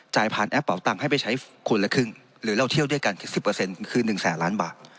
ผ่านแอปเป่าตังค์ให้ไปใช้คนละครึ่งหรือเราเที่ยวด้วยกันคือ๑๐คือ๑แสนล้านบาท